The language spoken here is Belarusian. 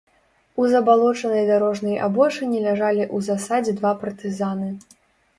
У забалочанай дарожнай абочыне ляжалі ў засадзе два партызаны.